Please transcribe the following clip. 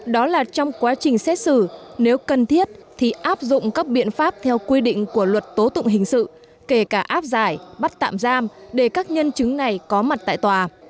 đó là trong quá trình xét xử nếu cần thiết thì áp dụng các biện pháp theo quy định của luật tố tụng hình sự kể cả áp giải bắt tạm giam để các nhân chứng này có mặt tại tòa